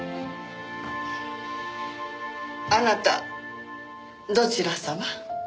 あなたどちらさま？